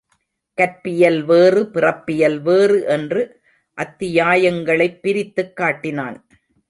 கற்பியல் வேறு பிறப்பியல் வேறு என்று அத்தியாயங் களைப் பிரித்துக் காட்டினான்.